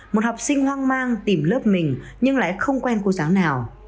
một học sinh hoang mang tìm lớp mình nhưng lại không quen cô giáo nào